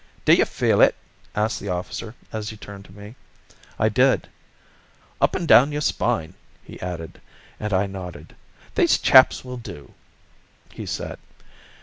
"Do you feel it?" asked the officer, as he turned to me. I did. "Up and down your spine," he added, and I nodded. "Those chaps will do," he said.